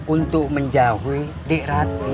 untuk menjauhi di rati